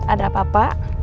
ada apa pak